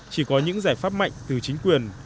chỉ có những giải pháp mạnh từ chính quyền